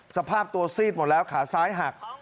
สภาพตัวซีดหมดแล้วขาซ้ายหัก